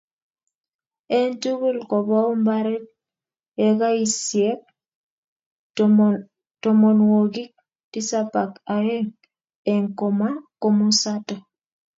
eng tugul kobou mbaret ekaisiek tomonwokik tisab ak aeng eng komosato